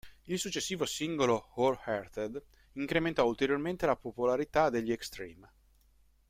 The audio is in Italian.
Il successivo singolo "Hole Hearted" incrementò ulteriormente la popolarità degli Extreme.